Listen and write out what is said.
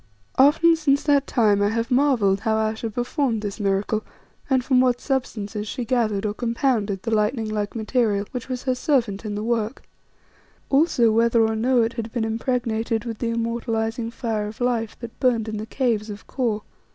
Often since that time I have marvelled how Ayesha performed this miracle, and from what substances she gathered or compounded the lightning like material, which was her servant in the work; also, whether or no it had been impregnated with the immortalizing fire of Life that burned in the caves of Kôr.